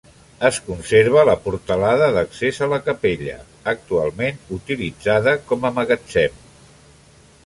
Es conserva la portalada d'accés a la capella, actualment utilitzada com a magatzem.